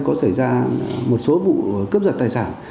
có xảy ra một số vụ cướp giật tài sản